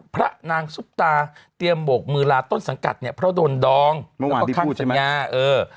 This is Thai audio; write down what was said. พระนางซุปตาเตรียมโบกมือลาต้นสังกัดเนี่ยเพราะโดนดองเมื่อวานก็เข้าสัญญาเออ